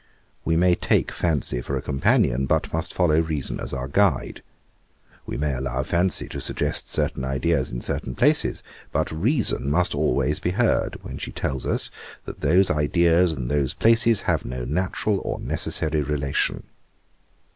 We may take Fancy for a companion, but must follow Reason as our guide. We may allow Fancy to suggest certain ideas in certain places; but Reason must always be heard, when she tells us, that those ideas and those places have no natural or necessary relation.